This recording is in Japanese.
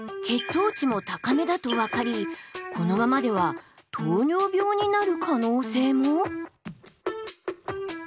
血糖値も高めだと分かりこのままでは糖尿病になる可能性も。